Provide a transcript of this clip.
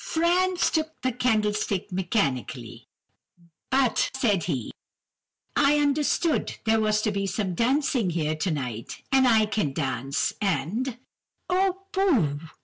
"Franz took the candlestick mechanically, but, said he:— "'I understood there was to be dancing here tonight, and I can dance, and—' "'Oh, pooh!